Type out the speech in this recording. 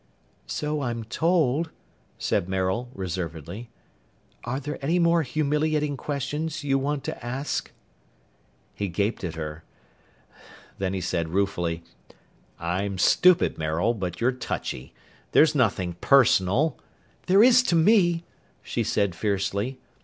"So I'm told," said Maril reservedly. "Are there any more humiliating questions you want to ask?" He gaped at her. Then he said ruefully, "I'm stupid, Maril, but you're touchy. There's nothing personal " "There is to me!" she said fiercely.